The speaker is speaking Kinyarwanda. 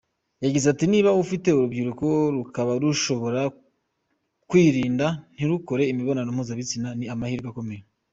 Yagize ati “Niba ufite urubyiruko rukaba rushobora kwirinda ntirukore imibonano mpuzabitsina ni amahirwe akomeye.